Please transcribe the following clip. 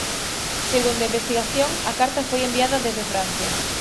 Segundo a investigación, a carta foi enviada desde Francia.